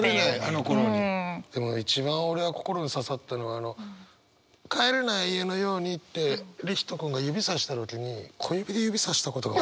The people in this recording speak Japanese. でも一番俺が心に刺さったのが「帰れない家のように」って李光人君が指さした時に小指で指さしたことが。